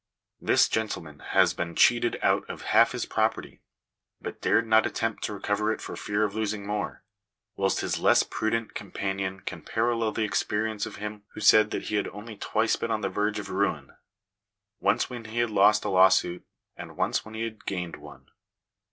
This gentleman has been cheated out of half his property, but dared not attempt to recover it for fear of losing more; whilst his less prudent companion can parallel the experience of him who said that he had only twice been on the verge of ruin; once when he had lost a law suit, and once when he had gained one.